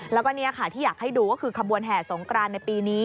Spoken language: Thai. แล้วก็นี่ค่ะที่อยากให้ดูก็คือขบวนแห่สงกรานในปีนี้